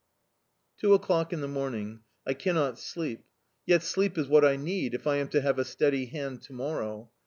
Two o'clock in the morning... I cannot sleep... Yet sleep is what I need, if I am to have a steady hand to morrow.